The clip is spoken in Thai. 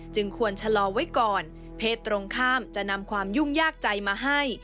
ควรชะลอไว้ก่อนเพศตรงข้ามจะนำความยุ่งยากใจมาให้